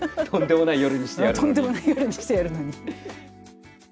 とんでもない夜にしてやるのに。